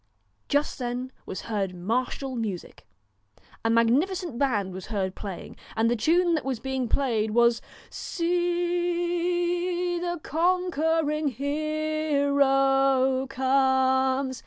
Just then was heard martial music. A magnificent band was heard playing and the tune that was being played was, ' See e e the con quering her er er o comes